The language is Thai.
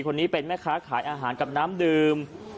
คนนี้เป็นแม่ค้าขายอาหารกับน้ำดื่ม